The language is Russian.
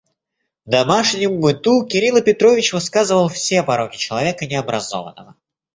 В домашнем быту Кирила Петрович выказывал все пороки человека необразованного.